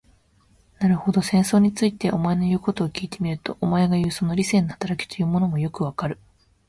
なるほど、戦争について、お前の言うことを聞いてみると、お前がいう、その理性の働きというものもよくわかる。